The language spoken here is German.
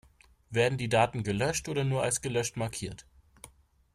Werden die Daten gelöscht oder nur als gelöscht markiert?